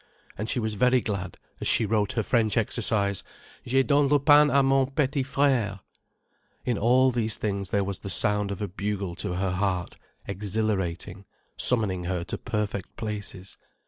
And she was very glad as she wrote her French exercise: "J'ai donné le pain à mon petit frère." In all these things there was the sound of a bugle to her heart, exhilarating, summoning her to perfect places.